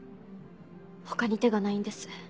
他に手がないんです。